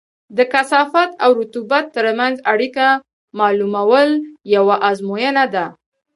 د کثافت او رطوبت ترمنځ اړیکه معلومول یوه ازموینه ده